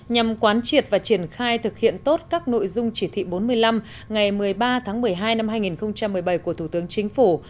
nhằm quán triệt và triển khai thực hiện tốt các nội dung chỉ thị bốn mươi năm ngày một mươi ba tháng một mươi hai năm hai nghìn một mươi bảy của thủ tướng chính phủ